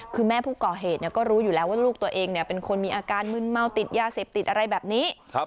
คือแม่ผู้ก่อเหตุก็รู้อยู่แล้วว่าลูกตัวเองเป็นคนมีอาการมึนเมาติดยาเสพติดอะไรแบบนี้